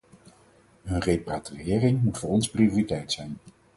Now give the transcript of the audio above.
Hun repatriëring moet voor ons prioriteit zijn.